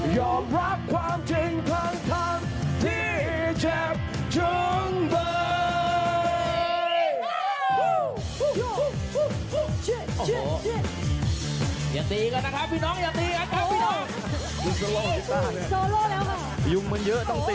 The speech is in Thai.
หยอมรับความจริงทั้งทั้งที่เจ็บจุ่มเบิร์ด